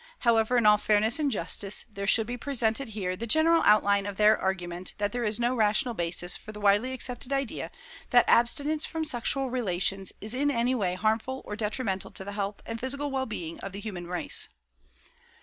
However, in all fairness and justice, there should be presented here the general outline of their argument that there is no rational basis for the widely accepted idea that abstinence from sexual relations is in any way harmful or detrimental to the health and physical well being of the human race.